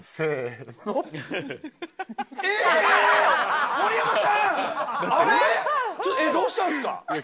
えっどうしたんすか？